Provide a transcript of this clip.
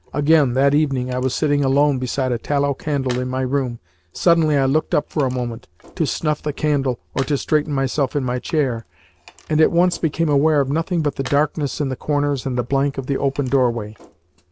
Again, that evening I was sitting alone beside a tallow candle in my room. Suddenly I looked up for a moment to snuff the candle, or to straighten myself in my chair and at once became aware of nothing but the darkness in the corners and the blank of the open doorway.